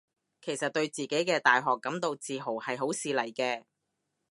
其實對自己嘅大學感到自豪係好事嚟嘅